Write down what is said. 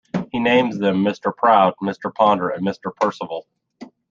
He names them Mr Proud, Mr Ponder and Mr Percival.